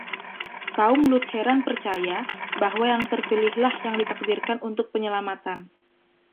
Kaum Lutheran percaya bahwa yang terpilih lah yang ditakdirkan untuk penyelamatan.